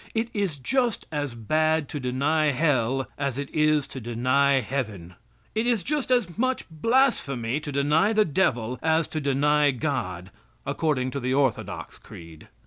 It is just as bad to deny Hell as it is to deny Heaven. It is just as much blasphemy to deny the devil as to deny God, according to the orthodox creed.